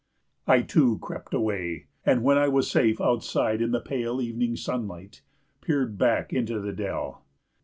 I, too, crept away, and when I was safe outside in the pale evening sunlight, peered back into the dell.